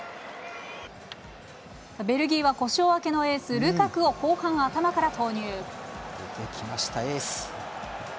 ベルギーは故障明けのエース、ルカクを後半頭から投入。